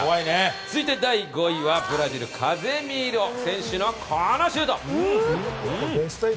続いて第５位はブラジル、カゼミーロ選手のこのシュート！